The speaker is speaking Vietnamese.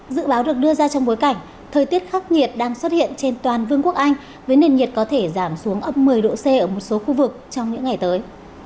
dự báo được đưa ra trong bối cảnh thời tiết khắc nghiệt đang xuất hiện trên toàn vương quốc anh với nền nhiệt có thể giảm xuống âm một mươi độ c ở một số khu vực trong những ngày tới